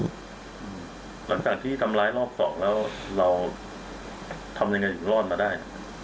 หลังจากที่ทำร้ายรอบสองแล้วเราทำยังไงถึงรอดมาได้